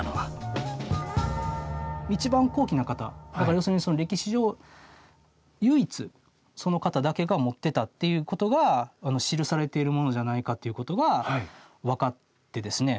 要するに歴史上唯一その方だけが持ってたっていうことが記されているものじゃないかっていうことが分かってですね。